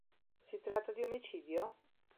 Si tratta di omicidio?